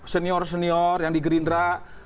senior senior yang di gerindra